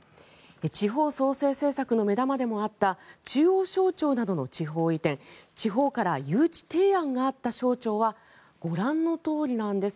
地方創生政策の目玉でもあった中央省庁などの地方移転地方から誘致提案があった省庁はご覧のとおりなんです。